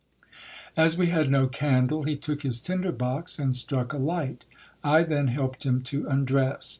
As we had no candle, he took his tinder box and struck a light. I then helped him to undress.